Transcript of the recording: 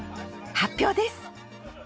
発表です！